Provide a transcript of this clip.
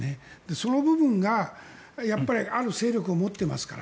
その部分が、やっぱりある勢力を持っていますから。